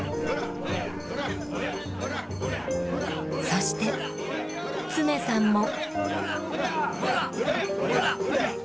そして恒さんも。